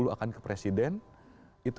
akan ke presiden itu